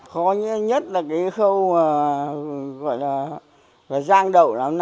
khó nhất là cái khâu gọi là giang đậu lắm